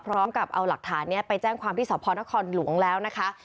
พร้อมเอาการรับหลักฐานนี่ไปแจ้งความที่สวนธนธรรมหลวงแล้วนะคะ